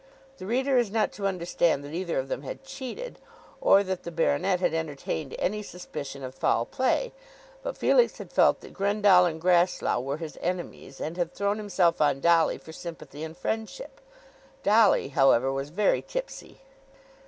The reader is not to understand that either of them had cheated, or that the baronet had entertained any suspicion of foul play. But Felix had felt that Grendall and Grasslough were his enemies, and had thrown himself on Dolly for sympathy and friendship. Dolly, however, was very tipsy.